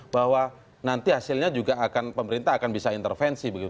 bahwa nanti hasilnya juga akan pemerintah akan bisa intervensi begitu